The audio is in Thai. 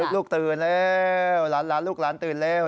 ลูกตื่นแล้วล้านล้านลูกล้านตื่นแล้ว